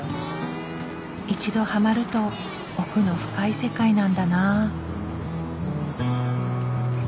一度ハマると奥の深い世界なんだなぁ。